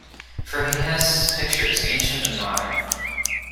For he has his pictures, ancient and modern.